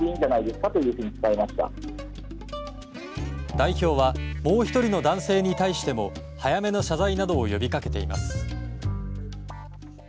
代表はもう１人の男性に対しても早めの謝罪などを呼び掛けています。